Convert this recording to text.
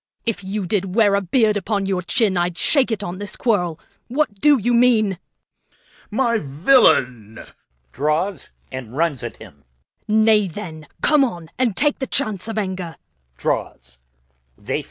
If you did wear a beard upon your chin, I'ld shake it on this quarrel. Reg. What do you mean? Corn. My villain! Draw and fight. 1. Serv. Nay, then, come on, and take the chance of anger. Reg.